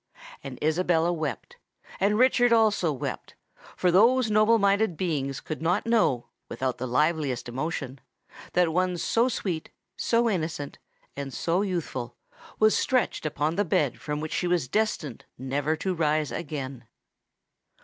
And Isabella wept—and Richard also wept; for those noble minded beings could not know, without the liveliest emotion, that one so sweet, so innocent, and so youthful, was stretched upon the bed from which she was destined never to rise again.